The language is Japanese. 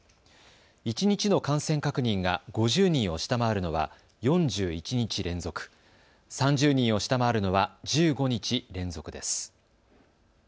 一日の感染確認が５０人を下回るのは４１日連続、３０人を下回るのは１５日連続です。